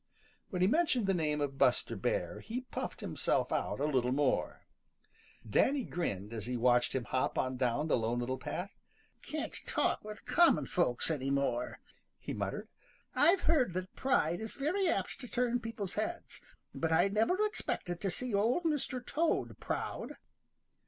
When he mentioned the name of Buster Bear, he puffed himself out a little more. Danny grinned as he watched him hop on down the Lone Little Path. "Can't talk with common folks any more," he muttered. "I've heard that pride is very apt to turn people's heads, but I never expected to see Old Mr. Toad proud."